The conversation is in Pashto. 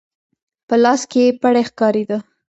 په لاس کې يې پړی ښکارېده.